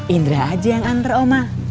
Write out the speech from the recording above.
indra aja yang antra oma